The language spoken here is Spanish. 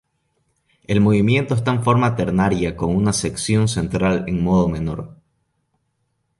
El movimiento está en forma ternaria con una sección central en modo menor.